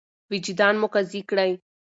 وجدان مو قاضي کړئ.